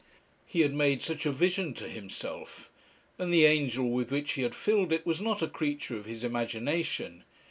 He had made such a vision to himself, and the angel with which he had filled it was not a creature of his imagination.